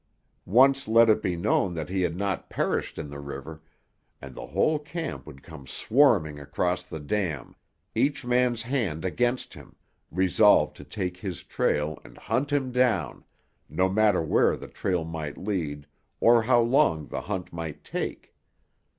Once let it be known that he had not perished in the river, and the whole camp would come swarming across the dam, each man's hand against him, resolved to take his trail and hunt him down, no matter where the trail might lead or how long the hunt might take.